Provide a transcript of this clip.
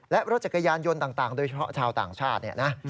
และรถจักรยานโยนต่างโดยชาวต่างชาติ